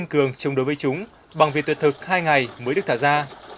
ông đã kiên cường chung đối với chúng bằng việc tuyệt thực hai ngày mới được thả ra